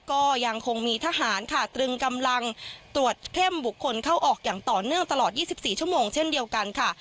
ก็ยังคงมีทหารค่ะตรึงกำลังตรวจเข้มบุคคลเข้าออกอย่างต่อเนื่องตลอด๒๔ชั่วโมงเช่นเดียวกันค่ะ